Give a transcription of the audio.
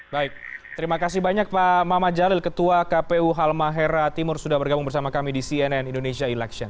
baik terima kasih banyak pak mama jalil ketua kpu halmahera timur sudah bergabung bersama kami di cnn indonesia election